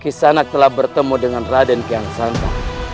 kisanak telah bertemu dengan rada nuala sungsang